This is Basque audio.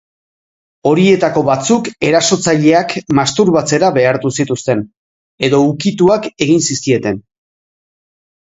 Horietako batzuk erasotzaileak masturbatzera behartu zituzten, edo ukituak egin zizkieten.